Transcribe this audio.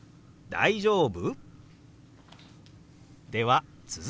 大丈夫？」。